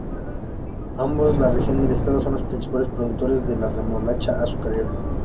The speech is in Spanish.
Ambos, la región y el estado, son los principales productores de remolacha azucarera.